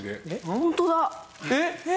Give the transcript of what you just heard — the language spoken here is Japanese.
ホントだ！